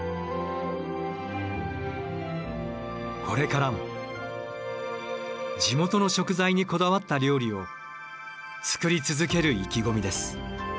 これからも地元の食材にこだわった料理を作り続ける意気込みです。